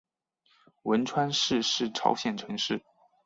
文川市是朝鲜城市。